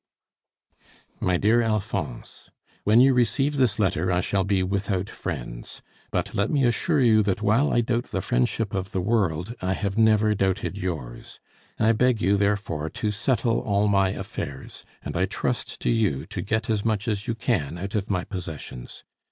My dear Alphonse, When you receive this letter I shall be without friends; but let me assure you that while I doubt the friendship of the world, I have never doubted yours. I beg you therefore to settle all my affairs, and I trust to you to get as much as you can out of my possessions.